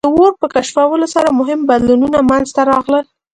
د اور په کشفولو سره مهم بدلونونه منځ ته راغلل.